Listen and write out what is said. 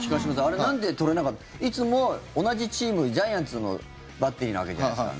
あれ、なんでとれなかったいつも同じチームジャイアンツのバッテリーなわけじゃないですか。